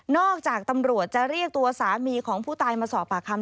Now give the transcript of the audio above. จากตำรวจจะเรียกตัวสามีของผู้ตายมาสอบปากคำ